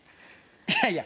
いやいや！